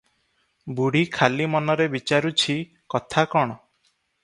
ବୁଢୀ ଖାଲି ମନରେ ବିଚାରୁଛି, କଥା କଣ?